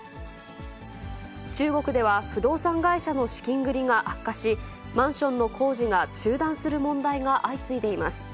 中国では、不動産会社の資金繰りが悪化し、マンションの工事が中断する問題が相次いでいます。